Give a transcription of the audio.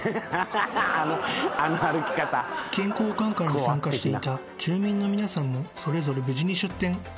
［意見交換会に参加していた住民の皆さんもそれぞれ無事に出店。